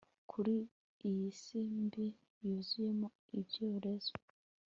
Kuri iyi si mbi yuzuyemo ibyorezo